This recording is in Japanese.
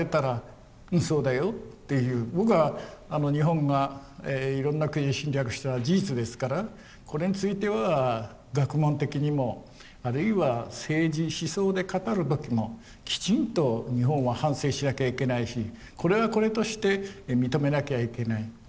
僕は日本がいろんな国侵略したのは事実ですからこれについては学問的にもあるいは政治思想で語る時もきちんと日本は反省しなきゃいけないしこれはこれとして認めなきゃいけない。